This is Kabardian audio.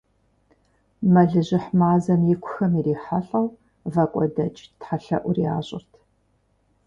Мэлыжьыхь мазэм икухэм ирихьэлӀэу, вакӀуэдэкӀ тхьэлъэӀур ящӀырт.